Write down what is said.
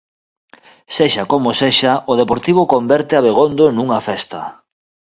Sexa como sexa, o Deportivo converte Abegondo nunha festa.